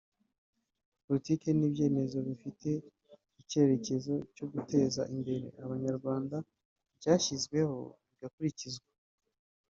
politiki n’ibyemezo bifite ikerekezo cyo guteza imbere abanyarwanda byashyizweho bigakurikizwa